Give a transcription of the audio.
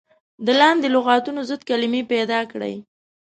د لاندې لغتونو ضد کلمې پيداکړئ.